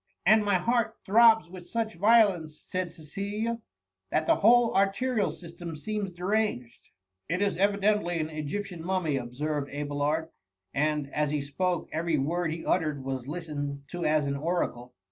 '*" And my heart throbs with such violence," said Cecilia, *^that the whole arterial system seems deranged." " It is evidently an Egyptian Mummy," ob served Abelard, and, as he spoke, every word he uttered was listened to as an oracle.